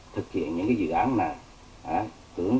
thực hiện những dự án này